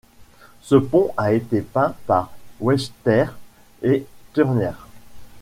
Ce pont a été peint par Whistler et Turner.